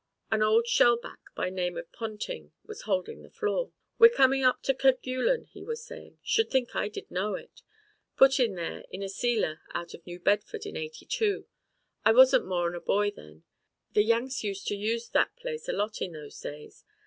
An old shell back by name of Ponting was holding the floor. "We're comin' up to Kerguelen," he was saying. "Should think I did know it. Put in there in a sealer out of New Bedford in '82. I wasn't more'n a boy then. The Yanks used to use that place a lot in those days.